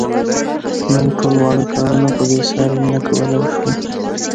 موږ ټول واړه کارونه په بې ساري مینه کولای شو.